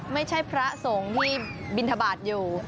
ไม่ใช่พระสงฤทธิ์ที่บิณฑบาษศ์อยู่